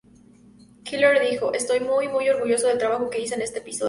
Keeler dijo, "Estoy muy, muy orgulloso del trabajo que hice en este episodio.